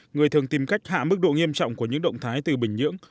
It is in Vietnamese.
người thường tìm cách hạ mức độ nghiêm trọng của những động thái từ bình nhưỡng